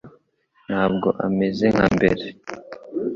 Ntabwo ameze nka mbere